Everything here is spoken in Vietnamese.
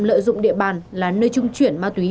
lợi dụng địa bàn là nơi trung chuyển ma túy